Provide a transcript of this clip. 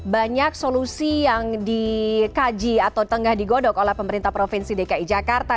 banyak solusi yang dikaji atau tengah digodok oleh pemerintah provinsi dki jakarta